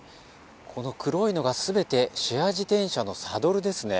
この黒いのが全てシェア自転車のサドルですね。